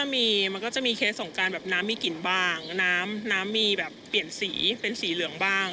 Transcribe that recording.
มันก็จะมีเคสสงการแบบน้ำมีกลิ่นบ้างน้ำน้ำมีแบบเปลี่ยนสีเป็นสีเหลืองบ้าง